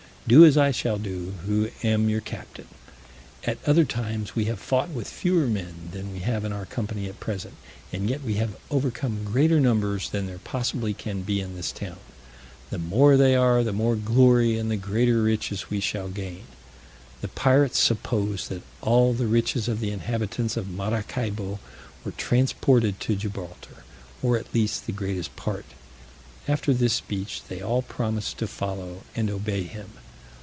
Do as I shall do who am your captain: at other times we have fought with fewer men than we have in our company at present, and yet we have overcome greater numbers than there possibly can be in this town: the more they are, the more glory and the greater riches we shall gain." The pirates supposed that all the riches of the inhabitants of Maracaibo were transported to Gibraltar, or at least the greatest part. After this speech, they all promised to follow, and obey him.